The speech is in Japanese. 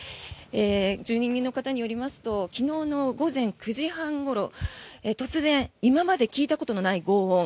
住人の方によりますと昨日の午前９時半ごろ突然、今まで聞いたことのないごう音